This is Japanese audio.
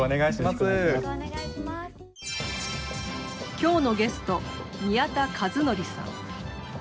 今日のゲスト宮田和周さん。